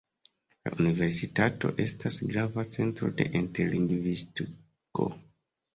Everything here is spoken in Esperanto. La universitato estas grava centro de interlingvistiko.